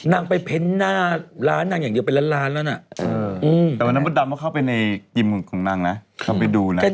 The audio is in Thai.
นั่งไปเพ้นหน้าร้านนั่งอย่างเดียวไปร้านร้านแล้วน่ะอืม